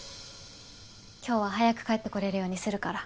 今日は早く帰ってこれるようにするから。